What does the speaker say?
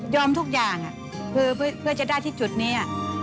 ทุกอย่างเพื่อจะได้ที่จุดนี้